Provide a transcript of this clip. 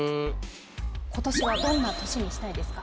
今年はどんな年にしたいですか？